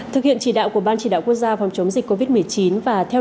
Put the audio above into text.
thực hiện chỉ đạo của ban chỉ đạo quốc gia phòng chống dịch covid một mươi chín và theo dõi